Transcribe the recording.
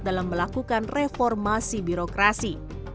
dalam melakukan reformasi birokrasi